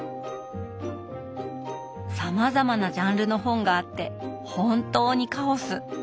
さまざまなジャンルの本があって本当にカオス！